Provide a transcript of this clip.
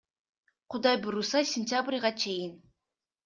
Кудай буйруса, сентябрга чейин.